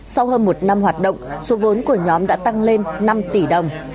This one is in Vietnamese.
sau hơn một năm hoạt động số vốn của nhóm đã tăng lên năm tỷ đồng